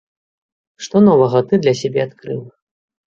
Што новага ты для сябе адкрыў?